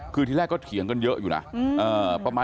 คือที่แรกก็เถียงกันเยอะอยู่นะ